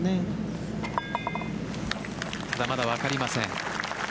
まだまだ分かりません。